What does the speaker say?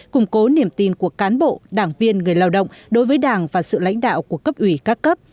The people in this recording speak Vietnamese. củng cố niềm tin của cán bộ đảng viên người lao động đối với đảng và sự lãnh đạo của cấp ủy các cấp